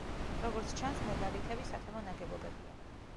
როგორც ჩანს, მეგალითები სათემო ნაგებობებია.